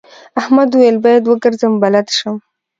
احمد وويل: باید وګرځم بلد شم.